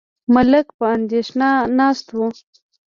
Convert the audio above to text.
ملک په اندېښنه ناست و.